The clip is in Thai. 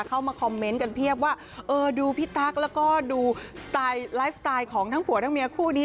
เข้ามาคอมเมนต์กันเพียบว่าเออดูพี่ตั๊กแล้วก็ดูสไตล์ไลฟ์สไตล์ของทั้งผัวทั้งเมียคู่นี้